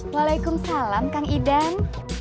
waalaikumsalam kang idan